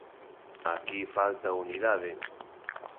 Aquí falta unidade.